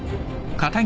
片桐。